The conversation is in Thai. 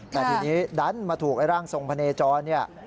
แต่ทีนี้ดันมาถูกไอ้ร่างทรงพะเนจรเนี่ย